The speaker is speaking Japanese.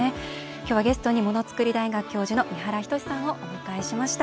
今日は、ゲストにものつくり大学教授の三原斉さんをお迎えしました。